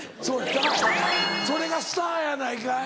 だからそれがスターやないかい。